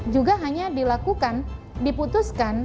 juga hanya dilakukan diputuskan